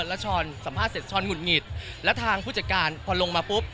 แล้วช้อนสัมภาษณ์เสร็จช้อนหงุดหงิดแล้วทางผู้จัดการพอลงมาปุ๊บ